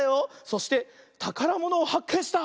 そしてたからものをはっけんした！